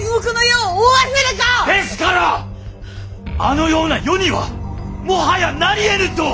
ですからあのような世にはもはやなりえぬと。